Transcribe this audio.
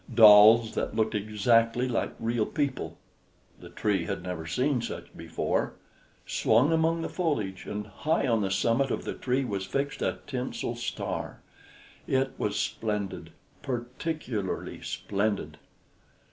Dolls that looked exactly like real people the tree had never seen such before swung among the foliage, and high on the summit of the tree was fixed a tinsel star. It was splendid, particularly splendid.